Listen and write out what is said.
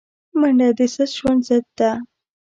منډه د سست ژوند ضد ده